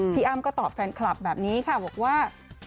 อ้ำก็ตอบแฟนคลับแบบนี้ค่ะบอกว่า